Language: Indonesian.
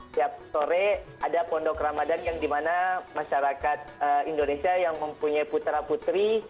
setiap sore ada pondok ramadhan yang dimana masyarakat indonesia yang mempunyai putera puteri